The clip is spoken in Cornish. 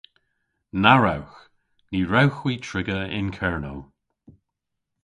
Na wrewgh! Ny wrewgh hwi triga yn Kernow.